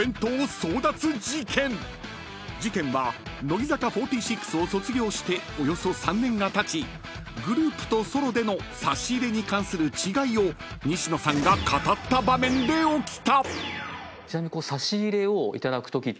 ［事件は乃木坂４６を卒業しておよそ３年がたちグループとソロでの差し入れに関する違いを西野さんが語った場面で起きた］